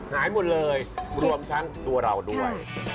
หายหมดเลยรวมทั้งตัวเราด้วย